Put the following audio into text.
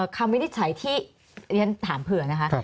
วินิจฉัยที่เรียนถามเผื่อนะคะ